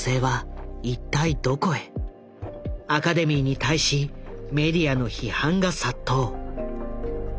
アカデミーに対しメディアの批判が殺到。